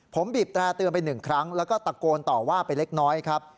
ผมบีบแตร่เตือนไปหนึ่งครั้งแล้วก็ตะโกนต่อว่าไปเล็กน้อยครับ